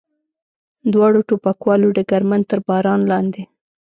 دواړو ټوپکوالو ډګرمن تر باران لاندې.